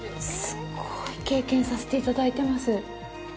すごい経験されていただいてます。